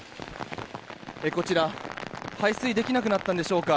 こちら、排水できなくなったんでしょうか。